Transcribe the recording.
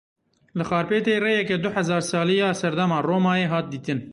Li Xarpêtê rêyeke du hezar salî ya serdema Romayê hat dîtin.